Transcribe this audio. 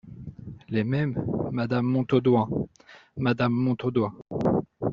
Les Mêmes, Madame Montaudoin Madame Montaudoin.